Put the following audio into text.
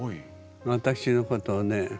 私のことをね